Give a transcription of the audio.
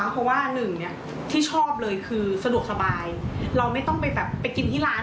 เพราะว่าหนึ่งเนี่ยที่ชอบเลยคือสะดวกสบายเราไม่ต้องไปแบบไปกินที่ร้าน